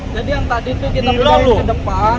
jadi yang tadi itu kita naik ke depan